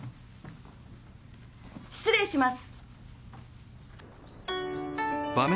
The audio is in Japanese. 失礼します。